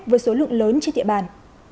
với số lượng lớn trên địa bàn